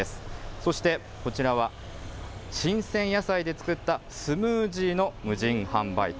そして、こちらは新鮮野菜で作ったスムージーの無人販売店。